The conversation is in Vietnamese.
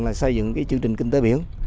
là xây dựng chương trình kinh tế biển